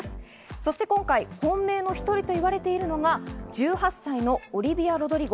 そして今回本命の１人と言われているのが１８歳のオリヴィア・ロドリゴ。